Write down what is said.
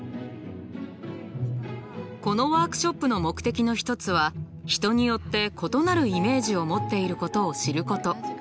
このワークショップの目的の一つは人によって異なるイメージを持っていることを知ること。